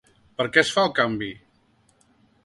Per què es fa el canvi?